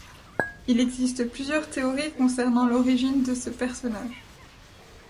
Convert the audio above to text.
Il existe plusieurs théories concernant l'origine de ce personnage.